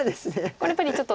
これやっぱりちょっと。